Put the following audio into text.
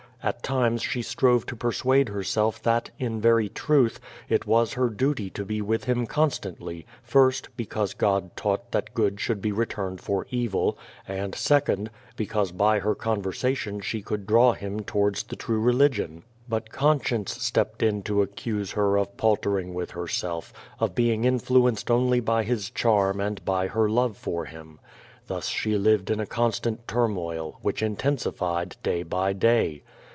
At times she strove to ])er8uade hei*self that, in very truth, it was her duty to be with him constantly, first, because God taught that good should be returned for evil, and, second^ 212 QUO VADI8. because by her conversation she could draw him towards the true religion. But conscience stepped in to accuse her of paltering with herself, of being influenced only by his charm and by her love for him. Thus she lived in a constant tur moil, which intensified day by day.